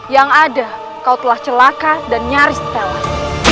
yang ada kau telah celaka dan nyaris tewas